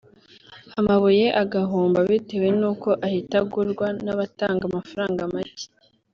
amabuye agahomba bitewe n’uko ahita agurwa n’abatanga amafaranga make